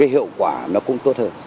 hiệu quả nó cũng tốt hơn